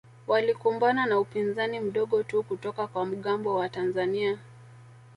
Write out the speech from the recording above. Walikumbana na upinzani mdogo tu kutoka kwa mgambo wa Tanzania